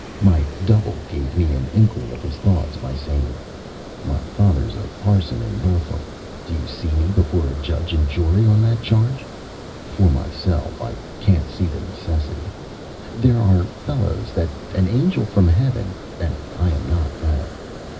My double gave me an inkling of his thoughts by saying: "My father's a parson in Norfolk. Do you see me before a judge and jury on that charge? For myself I can't see the necessity. There are fellows that an angel from heaven And I am not that.